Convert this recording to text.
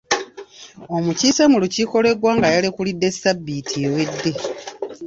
Omukiise mu lukiiko lw'eggwanga yalekulidde sabbiiti ewedde.